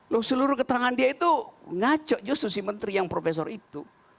loh seluruh keterangan dia itu ngaco justru si menteri yang profesor itu